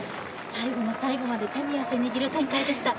最後の最後まで手に汗握る展開でした。